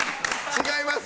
違います。